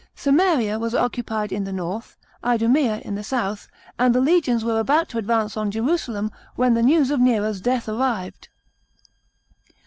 Samaria was occupied in the north, Idumea in the south, and the legions weie about to advance on Jerusalem, when the news of Nero's death arrived.